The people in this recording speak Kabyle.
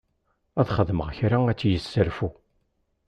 Ad xedmeɣ kra ad tt-yesserfu.